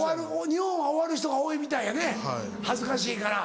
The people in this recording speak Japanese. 日本は終わる人が多いみたいやね恥ずかしいから。